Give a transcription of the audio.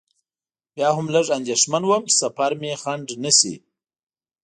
بیا هم لږ اندېښمن وم چې سفر مې خنډ نه شي.